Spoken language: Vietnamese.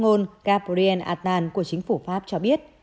ngôn gabriel attan của chính phủ pháp cho biết